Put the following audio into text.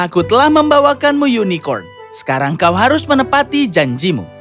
aku telah membawakanmu unicorn sekarang kau harus menepati janjimu